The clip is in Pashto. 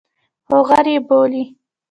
خو غر یې بولي.